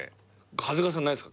長谷川さんないっすか？